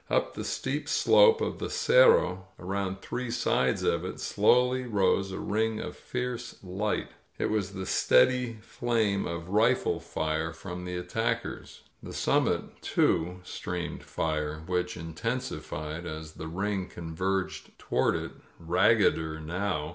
Up the steep slope of the Cerro, around three sides of it, slowly rose a ring of fierce light. It was the steady flame of rifle fire from the attackers. The summit, too, stream^d^ ft51 INSURGENT MEXICO fire, which intensified as the ring converged toward it, raggeder now.